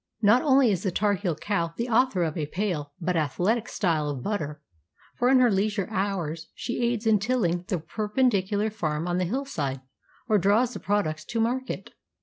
Not only is the Tar heel cow the author of a pale but athletic style of butter, but in her leisure hours she aids in tilling the perpendicular farm on the hillside, or draws the products to market.